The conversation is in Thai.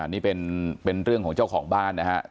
นี่เป็นเรื่องของเจ้าของบ้านนะครับ